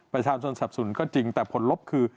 ประชาชนสับสุนก็จริงแต่ผลลบคือ